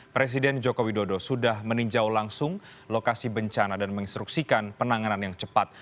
presiden joko widodo sudah meninjau langsung lokasi bencana dan menginstruksikan penanganan yang cepat